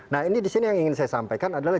nah ini di sini yang ingin saya sampaikan adalah